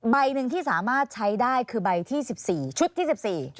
ใบหนึ่งที่สามารถใช้ได้คือใบที่สิบสี่ชุดที่๑๔